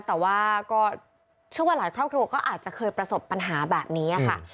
แต่ว่าก็เชื่อว่าหลายครอบครัวก็อาจจะเคยประสบปัญหาแบบนี้ค่ะ